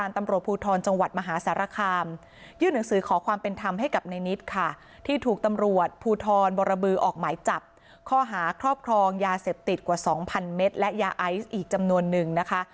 ทรวจภูทรบรบระบือออกหมายจับข้อหาครอบครองยาเสพติดกว่าสองพันเม็ดและยาไอซ์อีกจำนวนนึงนะคะ